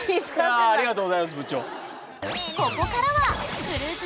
いやあありがとうございます部長。